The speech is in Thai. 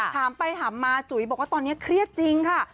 ถามไปถามมาจุ๋ยบอกว่าตอนนี้เครียดจริงค่ะ